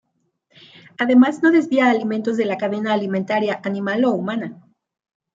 Además no desvía alimentos de la cadena alimentaria animal o humana.